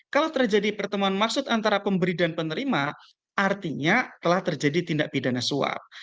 kalau terjadi pertemuan maksud antara pemberi dan penerima artinya telah terjadi tindak pidana suap